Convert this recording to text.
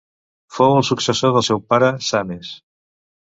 Fou el successor del seu pare Sames.